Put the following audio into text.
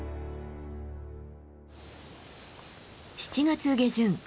７月下旬